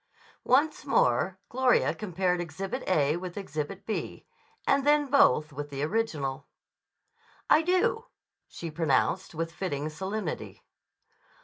Once more Gloria compared Exhibit A with Exhibit B, and then both with the original. "I do," she pronounced with fitting solemnity.